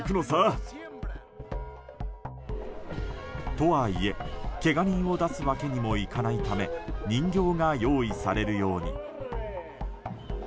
とはいえ、けが人を出すわけにもいかないため人形が用意されることに。